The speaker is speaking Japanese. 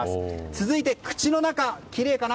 続いて、口の中きれいかな？